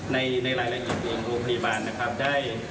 ในรายละเอียดโรงพยาบาลได้